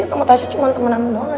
lo coba tanya dulu ke davininya